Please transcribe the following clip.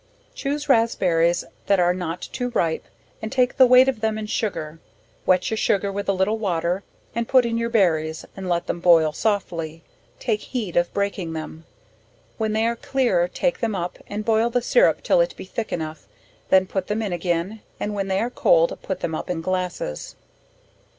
Chuse raspberries that are not too ripe, and take the weight of them in sugar, wet your sugar with a little water, and put in your berries, and let them boil softly; take heed of breaking them; when they are clear, take them up, and boil the sirrup till it be thick enough, then put them in again; and when they are cold, put them up in glasses.